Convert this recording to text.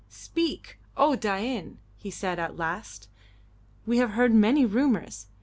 "Speak! O Dain!" he said at last. "We have heard many rumours.